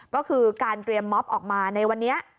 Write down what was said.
ก็คือการเตรียมมอบออกมาในวันนี้